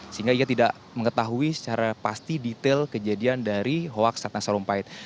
sehingga ia tidak mengetahui secara pasti detail kejadian dari hoaks ratna sarumpait